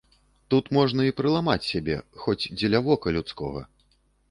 Тут можна і прыламаць сябе, хоць дзеля вока людскога.